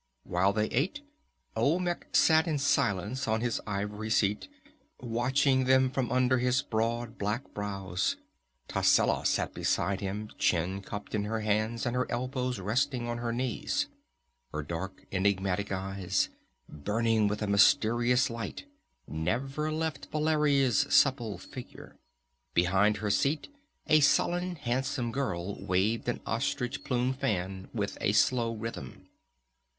While they ate, Olmec sat in silence on his ivory seat, watching them from under his broad black brows. Tascela sat beside him, chin cupped in her hands and her elbows resting on her knees. Her dark, enigmatic eyes, burning with a mysterious light, never left Valeria's supple figure. Behind her seat a sullen handsome girl waved an ostrich plume fan with a slow rhythm.